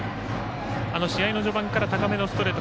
試合の序盤から高めのストレート